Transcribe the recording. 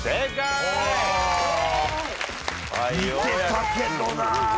見てたけどな。